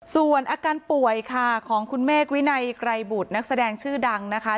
ส่วนอาการป่วยค่ะของคุณเมฆวินัยไกรบุตรนักแสดงชื่อดังนะคะ